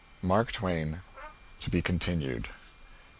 MARK TWAIN. (_To be Continued.